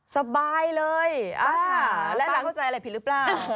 สบายเลยป้าค่ะป้าเข้าใจอะไรผิดหรือเปล่า